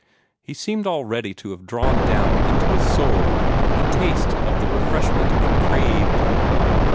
He seemed already to have drawn down into his soul a taste of the refreshment it craved.